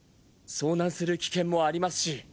遭難する危険もありますし。